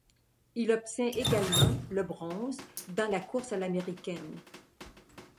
Il obtient, également, le bronze dans la course à l'américaine.